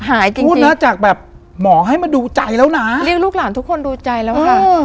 พูดนะจากแบบหมอให้มาดูใจแล้วนะเรียกลูกหลานทุกคนดูใจแล้วค่ะ